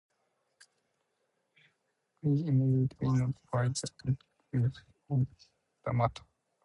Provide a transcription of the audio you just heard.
Gregg immediately notified authorities of the matter.